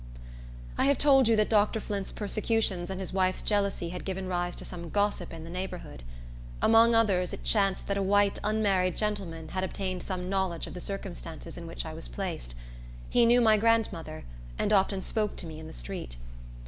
I have told you that Dr. Flint's persecutions and his wife's jealousy had given rise to some gossip in the neighborhood. Among others, it chanced that a white unmarried gentleman had obtained some knowledge of the circumstances in which I was placed. He knew my grandmother, and often spoke to me in the street.